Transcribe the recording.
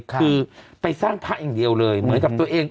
คือไปสร้างพระอย่างเดียวเลยเหมือนกับตัวเอง